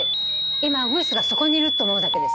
今ウグイスがそこにいると思うだけで。